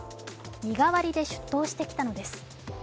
身代わりで出頭してきたのです。